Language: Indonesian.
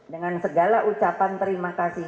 dengan segala ucapan terima kasih